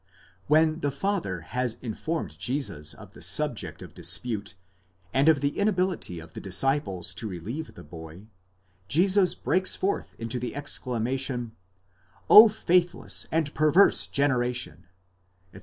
When the father has informed Jesus of the subject of dispute and of the inability of the disciples to relieve the boy, Jesus breaks forth into the exclam ation, O faithless and perverse generation, etc.